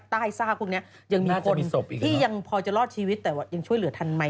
ซากพวกนี้ยังมีคนที่ยังพอจะรอดชีวิตแต่ว่ายังช่วยเหลือทันไหม